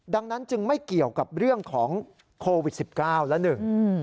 ดังนั้นจึงไม่เกี่ยวกับเรื่องของโควิดสิบเก้าละหนึ่ง